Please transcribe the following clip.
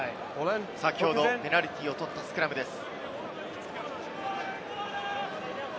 先ほどペナルティーを取ったスクラムです。